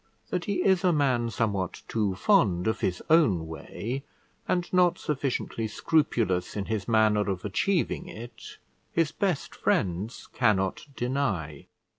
That he is a man somewhat too fond of his own way, and not sufficiently scrupulous in his manner of achieving it, his best friends cannot deny.